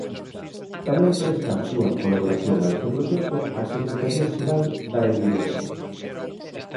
Tamén presta a súa colaboración a este proxecto a Secretaría Xeral da Emigración.